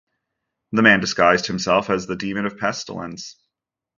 A man disguised himself as the demon of pestilence.